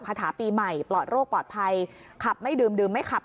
คาถาปีใหม่ปลอดโรคปลอดภัยขับไม่ดื่มดื่มไม่ขับ